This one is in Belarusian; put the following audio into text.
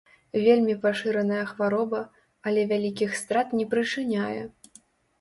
Вельмі пашыраная хвароба, але вялікіх страт не прычыняе.